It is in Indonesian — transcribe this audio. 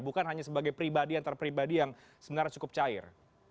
bukan hanya sebagai pribadi antar pribadi yang sebenarnya cukup cair